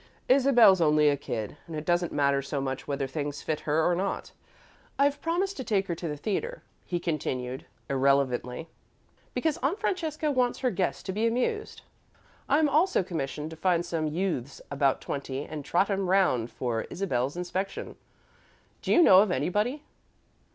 "Isabel's only a kid and it doesn't matter so much whether things fit her or not. I've promised to take her to the theatre," he continued, irrelevantly, "because Aunt Francesca wants her guest to be amused. I'm also commissioned to find some youths about twenty and trot 'em round for Isabel's inspection. Do you know of anybody?"